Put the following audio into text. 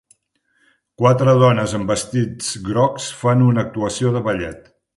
Quatre dones amb vestits grocs fan una actuació de ballet.